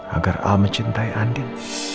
agar al mencintai andin